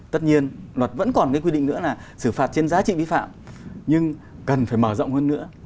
tất nhiên luật vẫn còn cái quy định nữa là xử phạt trên giá trị vi phạm nhưng cần phải mở rộng hơn nữa